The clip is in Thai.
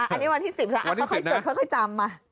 อันนี้วันที่๑๐แล้วค่อยจดค่อยจำมา